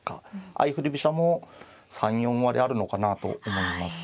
相振り飛車も３４割あるのかなと思います。